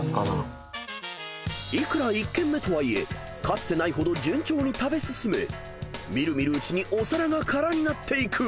［いくら１軒目とはいえかつてないほど順調に食べ進め見る見るうちにお皿が空になっていく］